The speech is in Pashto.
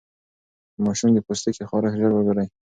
د ماشوم د پوستکي خارښت ژر وګورئ.